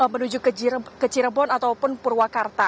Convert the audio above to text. menuju ke cirebon ataupun purwakarta